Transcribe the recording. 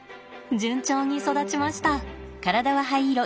順調に育ちました。